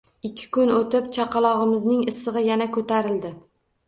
Ikki kun o`tib, chaqalog`imizning issig`i yana ko`tarildi